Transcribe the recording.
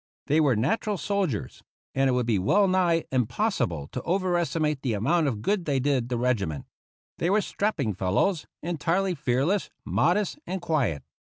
They were natural soldiers, and it would be well nigh impossible to overestimate the amount of good they did the regiment. They were strapping fellows, entirely fearless, modest, and quiet.